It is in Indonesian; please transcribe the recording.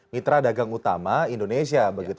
mitra dagang utama indonesia